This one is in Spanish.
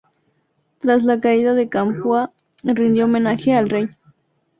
Tras la caída de Capua, rindió homenaje al rey.